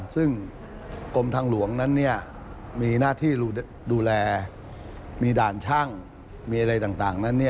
ซึ่งกรมทางหลวงนั้นมีหน้าที่ดูแลมีด่านช่างมีอะไรต่างนั้น